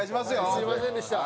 すみませんでした。